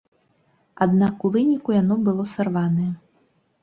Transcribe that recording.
Аднак у выніку яно было сарванае.